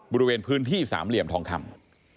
บริเวณพื้นที่สามเหลี่ยมทองคำ